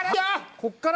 こっから。